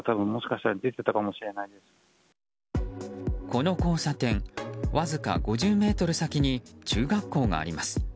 この交差点、わずか５０ｍ先に中学校があります。